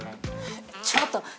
ちょっと。